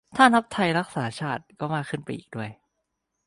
ถ้านับไทยรักษาชาติก็มากขึ้นไปอีกด้วย